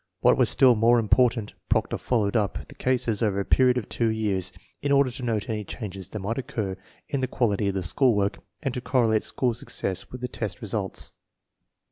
What was still more important, Proctor followed up the cases over a period of two years, in order to note any changes that might occur in the qual ity of the school work and to correlate school success with the test results.